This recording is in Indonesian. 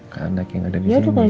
ke anak yang ada di rumah